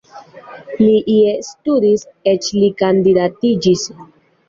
Li ie studis, eĉ li kandidatiĝis.